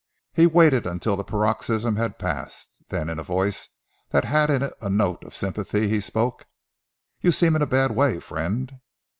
He waited until the paroxysm had passed, then in a voice that had in it a note of sympathy he spoke "You seem in a bad way, friend."